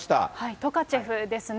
トカチェフですね。